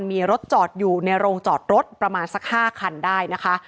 มีรถจอดอยู่ในโรงจอดรถประมาณสัก๕คันได้นะคะ